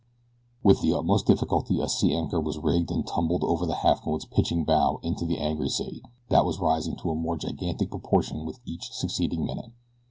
With the utmost difficulty a sea anchor was rigged and tumbled over the Halfmoon's pitching bow into the angry sea, that was rising to more gigantic proportions with each succeeding minute.